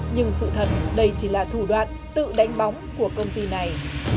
nhưng sự thật đây chỉ là thủ đoạn tự đánh bóng của công ty này